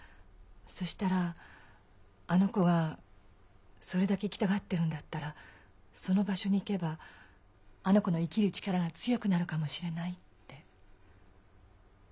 そしたら「あの子がそれだけ行きたがってるんだったらその場所に行けばあの子の生きる力が強くなるかもしれない」って。